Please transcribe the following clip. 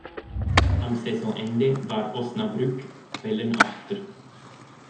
Am Saisonende war Osnabrück Tabellenachter.